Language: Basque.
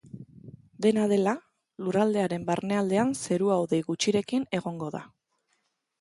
Dena dela, lurraldearen barnealdean zerua hodei gutxirekin egongo da.